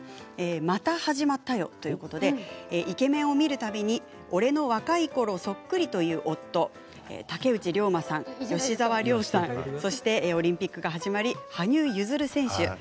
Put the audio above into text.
また始まったよということでイケメンを見るたびに俺の若いころそっくりという夫竹内涼真さん、吉沢亮さんそしてオリンピックが始まり羽生結弦選手